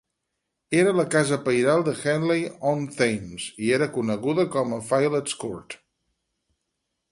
Era la casa pairal de Henley-on-Thames i era coneguda com a "Fillets Court".